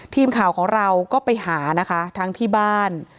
ทีมข่าวของเราก็ไปหานะคะทั้งที่บ้าน